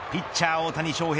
大谷翔平